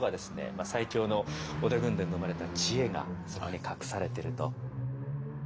最強の織田軍団が生まれた知恵がそこに隠されてると。